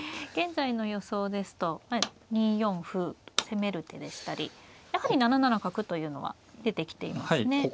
現在の予想ですと２四歩攻める手でしたりやはり７七角というのは出てきていますね。